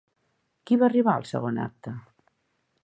Qui va arribar al segon acte?